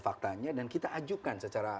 faktanya dan kita ajukan secara